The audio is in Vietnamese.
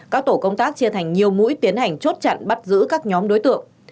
các tổ công tác chia thành nhiều mũi tiến hành chốt chặn bắt giữ các nhóm đối tượng